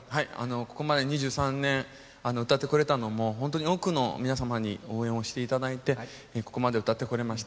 ここまで２３年歌ってこれたのも、ホントに多くの皆様に応援をしていただいてここまで歌ってこれました。